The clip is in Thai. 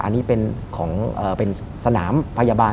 อันนี้เป็นสนามพยาบาล